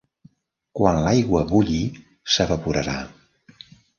Quan l'aigua bulli s'evaporarà.